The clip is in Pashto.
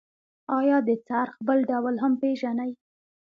آیا د څرخ بل ډول هم پیژنئ؟